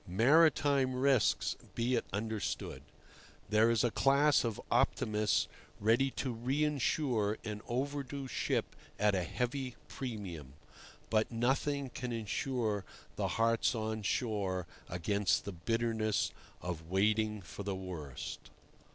Maritime risks, be it understood. There is a class of optimists ready to reinsure an "overdue" ship at a heavy premium. But nothing can insure the hearts on shore against the bitterness of waiting for the worst.